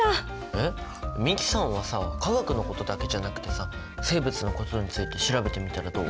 えっ美樹さんはさ化学のことだけじゃなくてさ生物のことについて調べてみたらどう？